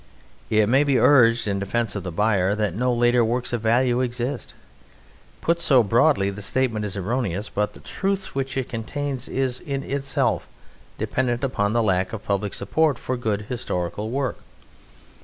It may be urged in defence of the buyer that no later works of value exist. Put so broadly, the statement is erroneous; but the truth which it contains is in itself dependent upon the lack of public support for good historical work.